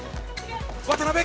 渡辺。